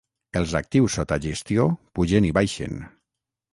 Els actius sota gestió pugen i baixen.